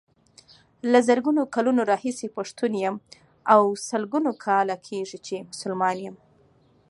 له زرګونو کلونو راهيسې پښتون يم او سلګونو کاله کيږي چې مسلمان يم.